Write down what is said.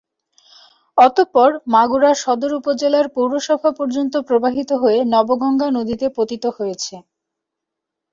অতঃপর মাগুরা সদর উপজেলার পৌরসভা পর্যন্ত প্রবাহিত হয়ে নবগঙ্গা নদীতে পতিত হয়েছে।